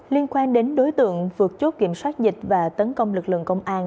liên quan đến đối tượng vượt chốt kiểm soát dịch và tấn công lực lượng công an